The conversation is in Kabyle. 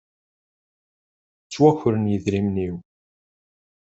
Ttwakren yedrimen-iw.